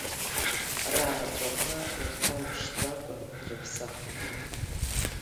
Рааҵәақәа ирҭамԥшӡакәан ирыԥсахит.